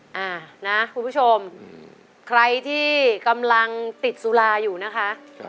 อ่านะคุณผู้ชมใครที่กำลังติดสุราอยู่นะคะ